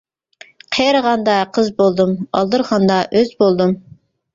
قېرىغاندا قىز بولدۇم، ئالدىرىغاندا ئۆز بولدۇم.